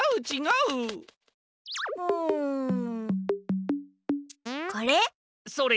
うん。これ？